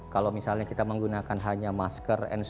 kalau misalnya kita menggunakan hanya masker n sembilan